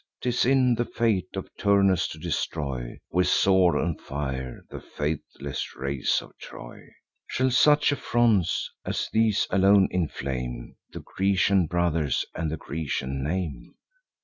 'Tis in the fate of Turnus to destroy, With sword and fire, the faithless race of Troy. Shall such affronts as these alone inflame The Grecian brothers, and the Grecian name?